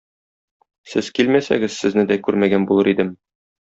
Сез килмәсәгез, сезне дә күрмәгән булыр идем.